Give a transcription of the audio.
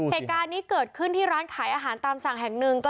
เหตุการณ์นี้เกิดขึ้นที่ร้านขายอาหารตามสั่งแห่งหนึ่ง